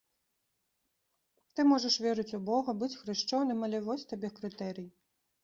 Ты можаш верыць у бога, быць хрышчоным, але вось табе крытэрый.